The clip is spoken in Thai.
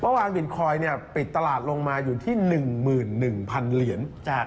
บินคอยปิดตลาดลงมาอยู่ที่๑๑๐๐๐เหรียญ